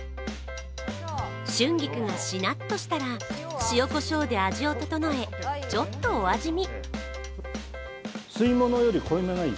春菊がしなっとしたら塩こしょうで味を調えちょっとお味見。